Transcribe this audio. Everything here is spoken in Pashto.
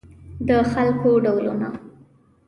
د خلکو ډولونه